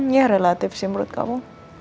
ya relatif sih menurut kamu